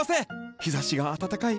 日ざしが暖かい！